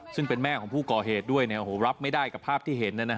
ซึ่งเป็นแม่ของผู้ก่อเหตุด้วยรับไม่ได้กับภาพที่เห็น